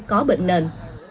có bệnh nền